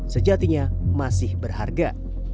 sejatinya masih berharga